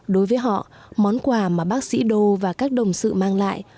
đối với họ món quà mà bác sĩ đô và các đồng sự mang lại